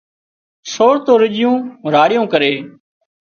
سور تو رُڄيون راڙيون ڪري